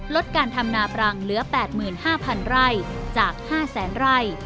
ลดการทำนาปรังเหลือ๘๕๐๐๐ไร่จาก๕แสนไร่